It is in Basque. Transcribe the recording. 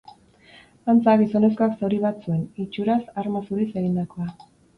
Antza, gizonezkoak zauri bat zuen, itxuraz, arma zuriz egindakoa.